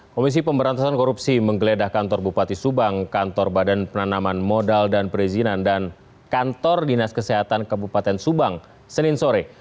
komisi pemberantasan korupsi menggeledah kantor bupati subang kantor badan penanaman modal dan perizinan dan kantor dinas kesehatan kabupaten subang senin sore